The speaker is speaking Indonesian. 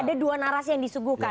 ada dua narasi yang disuguhkan